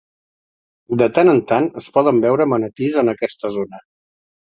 De tant en tant, es poden veure manatís en aquesta zona.